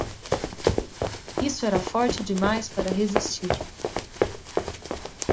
Isso era forte demais para resistir.